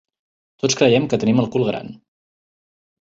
Tots creiem que tenim el cul gran.